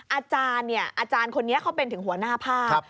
อาจารย์เนี่ยอาจารย์คนนี้เขาเป็นถึงหัวหน้าภาพ